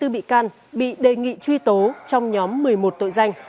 hai trăm năm mươi bốn bị can bị đề nghị truy tố hai trăm năm mươi bốn bị can